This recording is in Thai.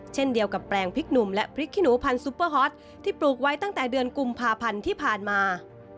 เช่นเดียวกับแปลงพริกหนุ่มและพริกขี้หนูพันธุเปอร์ฮอตที่ปลูกไว้ตั้งแต่เดือนกุมภาพันธ์ที่ผ่านมา